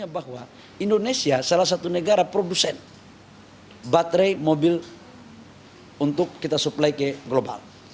bahwa indonesia salah satu negara produsen baterai mobil untuk kita supply ke global